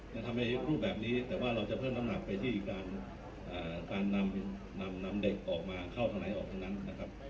จะทำให้รูปแบบนี้แต่ว่าเราจะเพิ่มน้ำหนักไปที่การนำเด็กออกมาเข้าทางไหนออกทั้งนั้นนะครับ